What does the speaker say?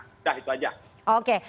sudah itu saja